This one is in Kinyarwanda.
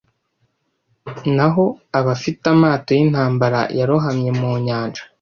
Naho abafite amato y'intambara yarohamye mu nyanja!